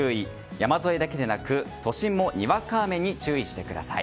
山沿いだけでなく都心もにわか雨に注意してください。